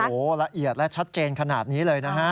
โอ้โหละเอียดและชัดเจนขนาดนี้เลยนะฮะ